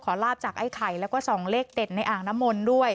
ขอราบจากไอ้ไข่แล้วก็ส่องเลขเด่นในองค์นามนด้วย